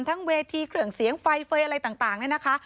เวทีเครื่องเสียงไฟเฟย์อะไรต่างเนี่ยนะคะ